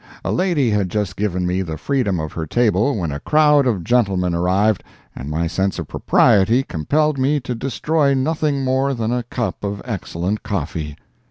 A lady had just given me the freedom of her table when a crowd of gentlemen arrived and my sense of propriety compelled me to destroy nothing more than a cup of excellent coffee.